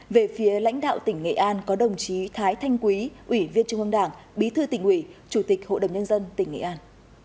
về phía lãnh đạo tỉnh nghệ an có đồng chí thái thanh quý ủy viên trung ương đảng bí thư tỉnh ủy chủ tịch hội đồng nhân dân tỉnh nghệ an